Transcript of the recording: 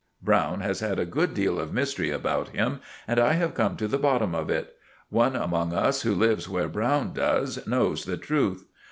Browne has had a good deal of mystery about him, and I have come to the bottom of it. One among us who lives where Browne does, knows the truth.